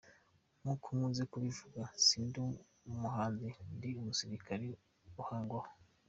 Nkuko nkunze kubivuga si ndi umuhanzi, ndi umusirikali uhangwaho.